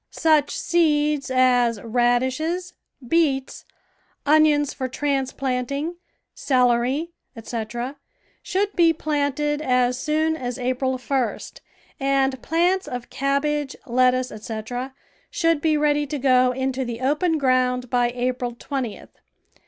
Such seeds as radishes, beets, onions for transplanting, celery, etc., should be planted as soon as April 1st, and plants of cabbage, lettuce, etc., should be ready to go into the open ground by April 20th.